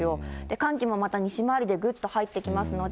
寒気もまた、西回りでぐっと入ってきますので、